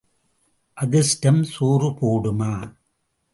அதிர்ஷ்டம் சோறு போடுமா?